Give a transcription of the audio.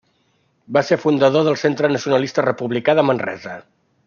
Va ser fundador del Centre Nacionalista Republicà de Manresa.